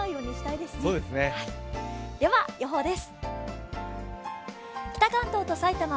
では予報です。